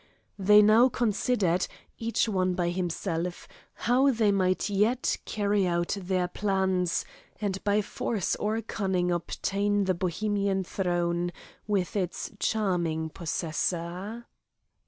They now considered, each one by himself, how they might yet carry out their plans, and by force or cunning obtain the Bohemian throne with its charming possessor.